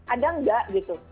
ada nggak gitu